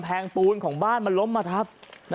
โอ้โหพังเรียบเป็นหน้ากล่องเลยนะครับ